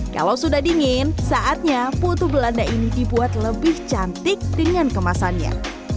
kalau sudah dingin saatnya putu belanda ini dibuat lebih cantik dengan kemasannya